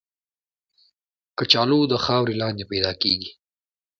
کچالو د خاورې لاندې پیدا کېږي